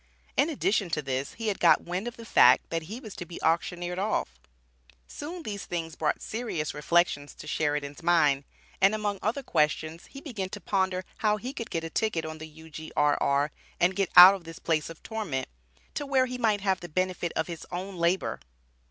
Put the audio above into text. In addition to this he had "got wind of the fact," that he was to be auctioneered off; soon these things brought serious reflections to Sheridan's mind, and among other questions, he began to ponder how he could get a ticket on the U.G.R.R., and get out of this "place of torment," to where he might have the benefit of his own labor.